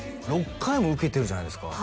６回も受けてるじゃないですか